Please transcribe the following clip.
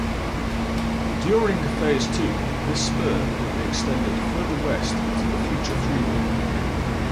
During Phase Two, this spur will be extended further west to the future freeway.